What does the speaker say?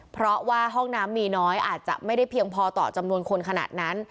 เพราะว่าห้องน้ำมีน้อยอาจจะไม่ได้เพียงพอต่อจำนวนคนขนาดนั้น